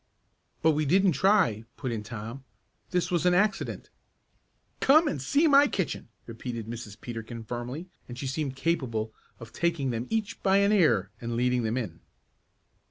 "But we didn't try," put in Tom. "This was an accident." "Come and see my kitchen!" repeated Mrs. Peterkin firmly and she seemed capable of taking them each by an ear and leading them in.